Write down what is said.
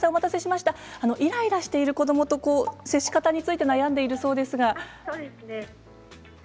イライラしている子どもと接し方について悩んでいるそうですが。